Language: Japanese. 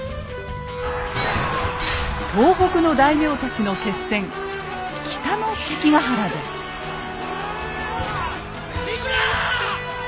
東北の大名たちの決戦退くな！